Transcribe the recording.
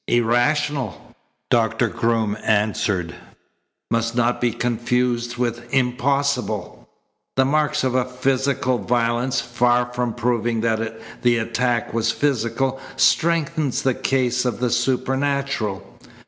"Irrational," Doctor Groom answered, "must not be confused with impossible. The marks of a physical violence, far from proving that the attack was physical, strengthens the case of the supernatural.